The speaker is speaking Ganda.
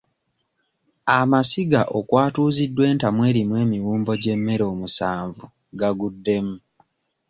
Amasiga okwatuziddwa entamu erimu emiwumbo gy'emmere omusanvu gaguddemu.